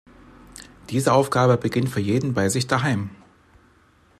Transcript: Diese Aufgabe beginnt für jeden bei sich daheim.